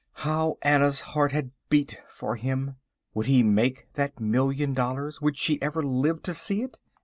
How Anna's heart had beat for him. Would he make that million dollars? Would she ever live to see it?